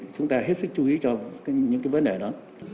chúng ta hết sức chú ý cho những cái vấn đề đó